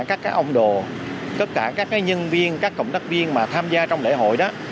tất cả các ông đồ tất cả các nhân viên các cộng đắc viên mà tham gia trong lễ hội đó